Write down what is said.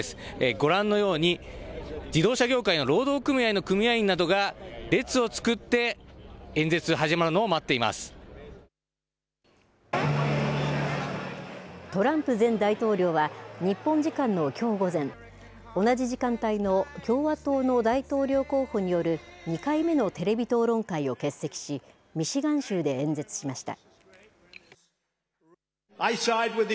ご覧のように自動車業界の労働組合の組合員などが列をつくってトランプ前大統領は日本時間のきょう午前同じ時間帯の共和党の大統領候補による２回目のテレビ討論会を欠席しミシガン州で演説しました。